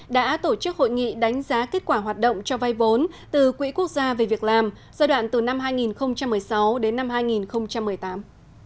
đã tổ chức hội nghị đánh giá kết quả hoạt động cho vay vốn từ quỹ quốc gia về việc làm giai đoạn từ năm hai nghìn một mươi sáu đến năm hai nghìn một mươi tám